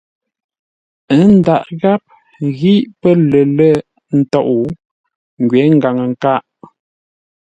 Ə́ ndǎghʼ gháp ngǐ pə́ lər lə̂ ntôʼ, ngwě ngaŋə-nkâʼ.